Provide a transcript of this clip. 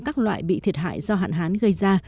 các loại bị thiệt hại do hạn hán gây ra